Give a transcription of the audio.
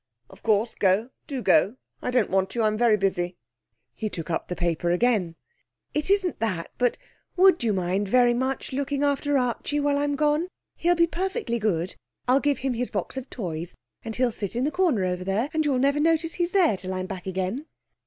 'Of course, go. Do go. I don't want you. I'm very busy.' He took up the paper again. 'It isn't that; but would you very much mind looking after Archie while I'm gone? He'll be perfectly good. I'll give him his box of toys, and he'll sit in the corner over there and you'll never notice he's there till I'm back again.'